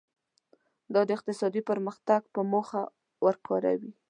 دا د اقتصادي پرمختګ په موخه ورکوي.